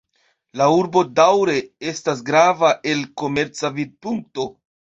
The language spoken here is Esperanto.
La urbo daŭre estas grava el komerca vidpunkto.